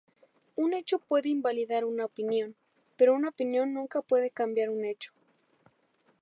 Un hecho puede invalidar una opinión, pero una opinión nunca puede cambiar un hecho.